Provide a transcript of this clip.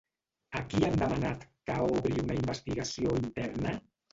A qui han demanat que obri una investigació interna?